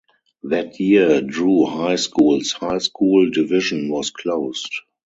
That year Drew High School's high school division was closed.